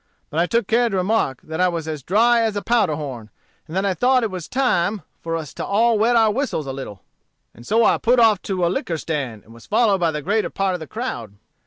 But I took care to remark that I was as dry as a powder horn, and that I thought that it was time for us all to wet our whistles a little. And so I put off to a liquor stand, and was followed by the greater part of the crowd.